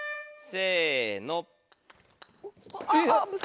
せの。